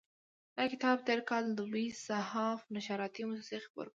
دا کتاب تېر کال دوبی صحاف نشراتي موسسې خپور کړ.